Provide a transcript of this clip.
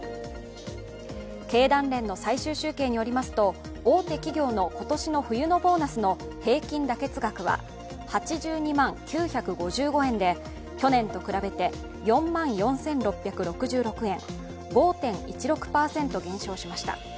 経団連の最終集計によりますと、大手企業の今年のボーナスの平均妥結額は８２万９５５円で、去年と比べて４万４６６６円、５．１６％減少しました。